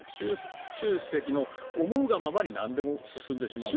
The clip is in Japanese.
習主席の思うがままになんでも進んでしまう？